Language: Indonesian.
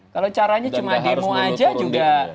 kalau caranya cuma demo aja juga